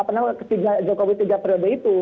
apa namanya ketiga jokowi tiga periode itu